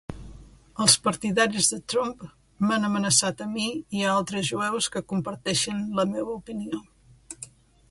Els partidaris de Trump m'han amenaçat a mi i a altres jueus que comparteixen la meva opinió.